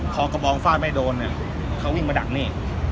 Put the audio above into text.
พอกระบองฟาดไม่โดนเนี่ยเขาวิ่งมาดักนี่